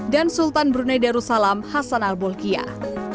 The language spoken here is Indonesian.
dan sultan brunei darussalam hassanal bolkiah